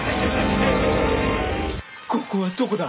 ここはどこだ？